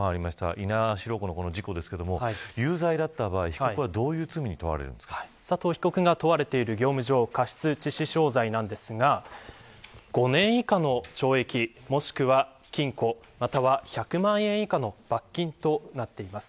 猪苗代湖の事故ですけど有罪だった場合被告はどういう罪に佐藤被告が問われている業務上過失致死傷材なんですが５年以下の懲役もしくは禁錮または１００万円以下の罰金となっています。